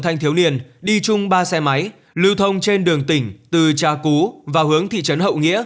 thanh thiếu niên đi chung ba xe máy lưu thông trên đường tỉnh từ trà cú và hướng thị trấn hậu nghĩa